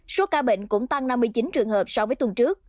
số ca bệnh cũng tăng năm mươi chín trường hợp so với tuần trước